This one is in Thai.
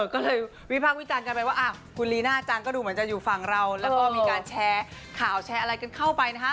ก็เลยวิพากษ์วิจารณ์กันไปว่าคุณลีน่าอาจารย์ก็ดูเหมือนจะอยู่ฝั่งเราแล้วก็มีการแชร์ข่าวแชร์อะไรกันเข้าไปนะฮะ